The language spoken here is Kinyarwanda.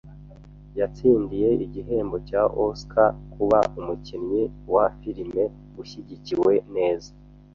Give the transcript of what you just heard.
Yatsindiye igihembo cya Oscar kuba umukinnyi wa filime ushyigikiwe neza